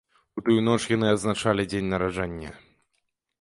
У тую ноч яны адзначалі дзень нараджэння.